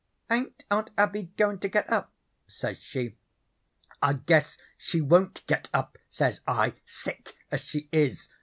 "'Ain't Aunt Abby goin' to get up?' says she. "'I guess she won't get up,' says I, 'sick as she is.'